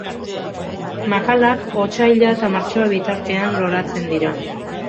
Makalak, otsaila eta martxoa bitartean loratzen dira.